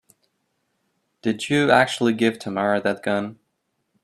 Did you actually give Tamara that gun?